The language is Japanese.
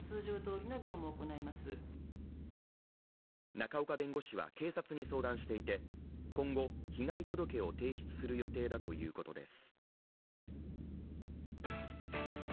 仲岡弁護士は警察に相談していて、今後、被害届を提出する予定だということです。